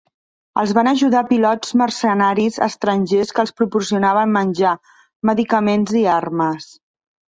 Els van ajudar pilots mercenaris estrangers que els proporcionaven menjar, medicaments i armes.